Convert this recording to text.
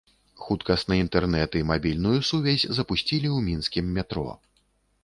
Хуткасны інтэрнэт і мабільную сувязь запусцілі ў мінскім метро.